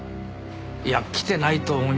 いや来てないと思いますけど。